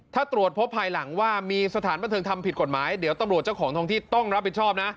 ถ้าตรวจพบภายหลังว่ามีสถานบันเทิงทำผิดกฎหมายเดี๋ยวตำรวจเจ้าของทองที่ต้องรับผิดชอบนะ